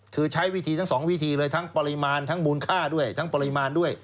คือใช้วิธีทั้งสองวิธีเลยทั้งปริมาณทั้งมูลค่าด้วยทั้งปริมาณด้วย